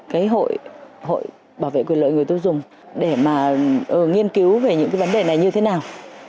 cái hội hội bảo vệ quyền lợi người tiêu dùng để mà nghiên cứu về những cái vấn đề này như thế nào